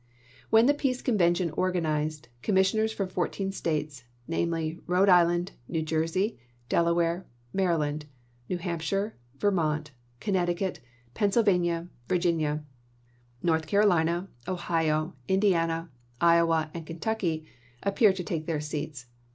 When the Peace Convention organized, com missioners from fourteen States, namely, Rhode Island, New Jersey, Delaware, Maryland, New Hampshire, Vermont, Connecticut, Pennsylvania, Virginia, North Carolina, Ohio, Indiana, Iowa, and Kentucky, appeared to take their seats.